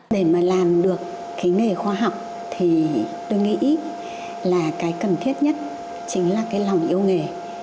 để mà làm được cái nghề khoa học thì tôi nghĩ là cái cần thiết nhất chính là cái lòng yêu nghề